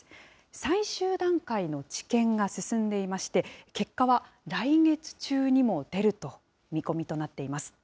最終段階の治験が進んでいまして、結果は来月中にも出る見込みとなっています。